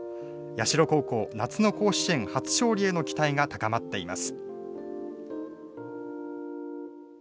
社高校、夏の甲子園初勝利への期待が高まっています。